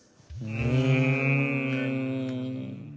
うん。